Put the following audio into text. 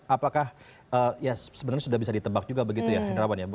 apakah ya sebenarnya sudah bisa ditebak juga begitu ya hendrawan ya